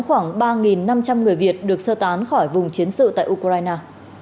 khoảng ba năm trăm linh người việt được sơ tán khỏi vùng chiến sự tại ukraine